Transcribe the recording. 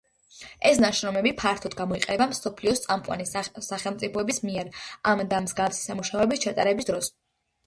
ეს ნაშრომები ფართოდ გამოიყენება მსოფლიოს წამყვანი სახელმწიფოების მიერ ამ და მსგავსი სამუშაოების ჩატარების დროს.